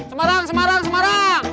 semarang semarang semarang